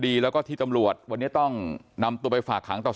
ซึ่งแต่ละคนตอนนี้ก็ยังให้การแตกต่างกันอยู่เลยว่าวันนั้นมันเกิดอะไรขึ้นบ้างนะครับ